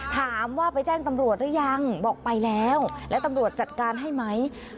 ถามว่าไปแจ้งตำรวจหรือยังบอกไปแล้วแล้วตำรวจจัดการให้ไหม